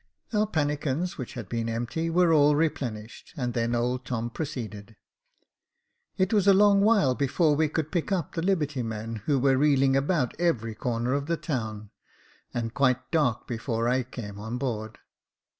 Our pannikins, which had been empty, were all replenished, and then old Tom proceeded. *' It was a long while before we could pick up the liberty men, who were reeling about every corner of the town, and quite dark before I came on board.